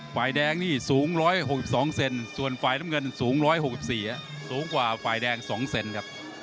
ฝ่ายแดงนี่สูง๑๖๒เซนส่วนฝ่ายน้ำเงินสูง๑๖๔สูงกว่าฝ่ายแดง๒เซนครับ